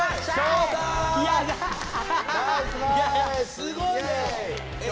すごいよ！